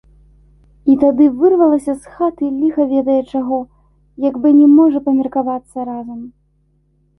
І тады вырвалася з хаты ліха ведае чаго, як бы не можа памеркавацца разам.